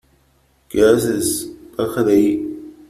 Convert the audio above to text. ¿ Qué haces ?¡ baja de ahí !